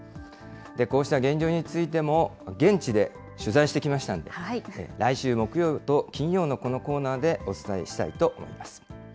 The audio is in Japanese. こうした現状についても、現地で取材してきましたので、来週木曜と金曜のこのコーナーでお伝えしたいと思います。